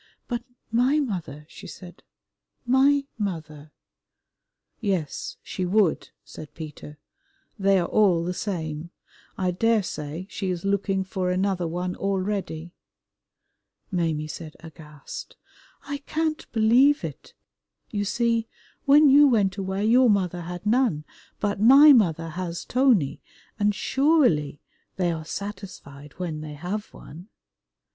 "But my mother," she said, "my mother" "Yes, she would," said Peter, "they are all the same. I daresay she is looking for another one already." Maimie said aghast, "I can't believe it. You see, when you went away your mother had none, but my mother has Tony, and surely they are satisfied when they have one."